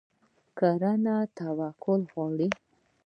کرنه توکل غواړي.